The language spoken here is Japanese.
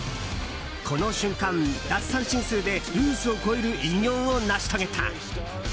この瞬間、奪三振数でルースを超える偉業を成し遂げた。